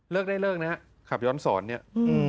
เลิกได้เลิกนะครับขับรถย้อนสอนเนี่ย